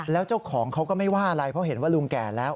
แล้วเจ้าของเขาก็ไม่ว่าอะไรเพราะเห็นว่าลุงแก่แล้ว